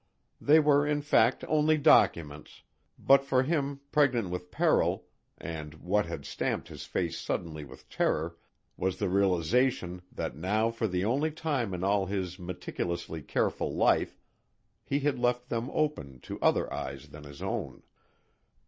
They were in fact only documents but for him pregnant with peril and what had stamped his face suddenly with terror was the realization that now for the only time in all his meticulously careful life he had left them open to other eyes than his own.